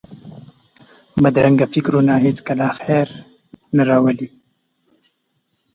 بدرنګه فکرونه هېڅکله خیر نه راولي